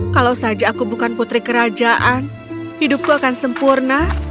kalau saja aku bukan putri kerajaan hidupku akan sempurna